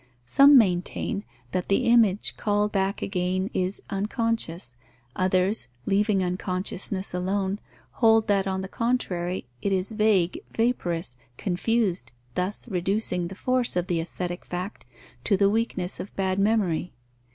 Some maintain that the image called back again is unconscious; others, leaving unconsciousness alone, hold that, on the contrary, it is vague, vaporous, confused, thus reducing the force of the aesthetic fact to the weakness of bad memory.